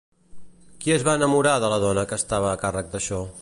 Qui es va enamorar de la dona que estava a càrrec d'això?